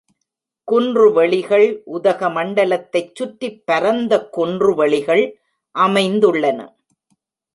குன்று வெளிகள் உதகமண்டலத்தைச் சுற்றிப் பரந்த குன்று வெளிகள் அமைந்துள்ளன.